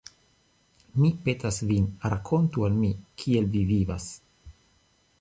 Mi petas vin, rakontu al mi, kiel vi vivas.